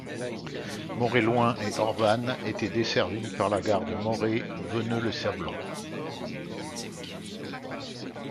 Moret Loing et Orvanne était desservie par la gare de Moret - Veneux-les-Sablons.